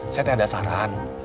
saya ada saran